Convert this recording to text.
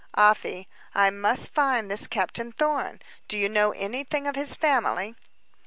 "Afy, I must find this Captain Thorn. Do you know anything of his family?"